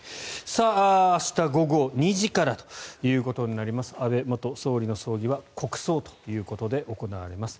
さあ、明日午後２時からということになります安倍元総理の葬儀は国葬ということで行われます。